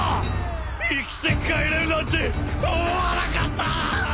生きて帰れるなんて思わなかった！